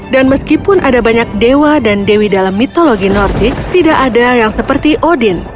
dan meskipun ada banyak dewa dan dewi dalam mitologi nordik tidak ada yang seperti odin